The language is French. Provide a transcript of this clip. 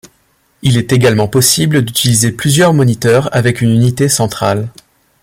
Il est également possible d’utiliser plusieurs moniteurs avec une unité centrale.